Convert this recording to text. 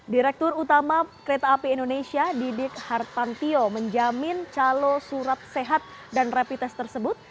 direktur utama kereta api indonesia didik hartantio menjamin calo surat sehat dan rapid test tersebut